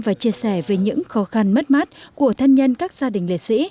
và chia sẻ về những khó khăn mất mát của thân nhân các gia đình liệt sĩ